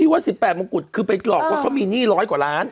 ว่า๑๘มงกุฎคือไปหลอกว่าเขามีหนี้ร้อยกว่าล้าน